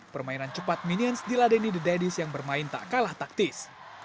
permainan cepat minions diladeni the daddies yang bermain tak kalah taktis